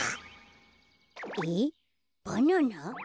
えっバナナ？